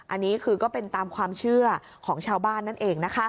อันนี้คือก็เป็นตามความเชื่อของชาวบ้านนั่นเองนะคะ